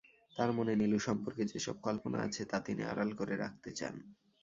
তাঁর মনে নীলু সম্পর্কে যেসব কল্পনা আছে, তা তিনি আড়াল করে রাখতে চান।